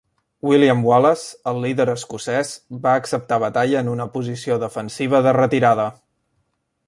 William Wallace, el líder escocès, va acceptar batalla en una posició defensiva de retirada.